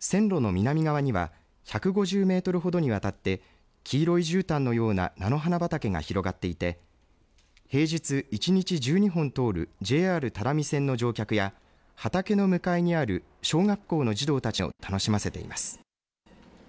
線路の南側には１５０メートルほどにわたって黄色いじゅうたんのような菜の花畑が広がっていて平日、１日１２本通るＪＲ只見線の乗客や畑の向かいにある小学校の児童たちの目を楽しませています。